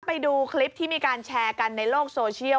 ไปดูคลิปที่มีการแชร์กันในโลกโซเชียล